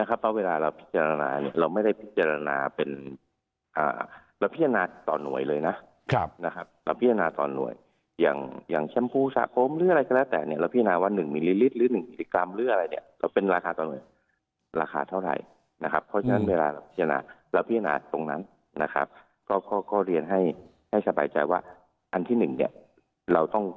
เพราะเวลาเราพิจารณาเนี่ยเราไม่ได้พิจารณาเป็นเราพิจารณาต่อหน่วยเลยนะเราพิจารณาต่อหน่วยอย่างแชมพูสะผมหรืออะไรก็แล้วแต่เนี่ยเราพิจารณาว่า๑มิลลิลิตรหรือ๑มิลลิกรัมหรืออะไรเนี่ยเราเป็นราคาต่อหน่วยราคาเท่าไหร่นะครับเพราะฉะนั้นเวลาเราพิจารณาเราพิจารณาตรงนั้นนะครับก็เรียนให้ให้สบายใจว่าอันที่๑เนี่ยเราต้อง